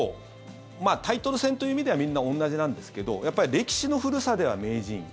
タイトル戦という意味ではみんな同じなんですけどやっぱり歴史の古さでは名人。